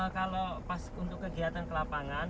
kalau pas untuk kegiatan ke lapangan